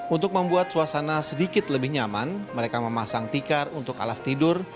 untuk membuat suasana sedikit lebih nyaman mereka memasang tikar untuk alas tidur